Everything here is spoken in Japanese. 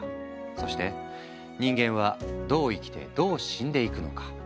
そして人間はどう生きてどう死んでいくのか？